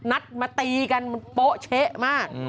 นัดมาตีกันมันโป๊ะเช๊ะมาก